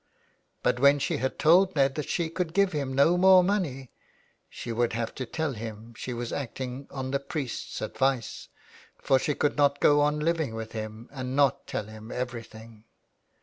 But when she had told Ned that she could give him no more money, she would have to tell him she was acting on the priest's advice, for she could not go on living with him and not tell him every thing.